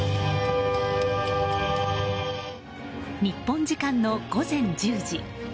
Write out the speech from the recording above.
日本時間の午前１０時。